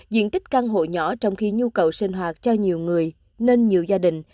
diện tích căn hộ nhỏ trong khi nhu cầu sinh hoạt cho nhiều người nên nhiều gia đình